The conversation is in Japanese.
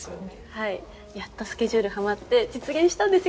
はいやっとスケジュールはまって実現したんですよ。